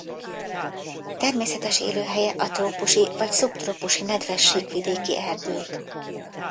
Természetes élőhelye a trópusi vagy szubtrópusi nedves síkvidéki erdők.